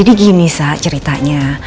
tadi papa kamu minta sertifikat rumahnya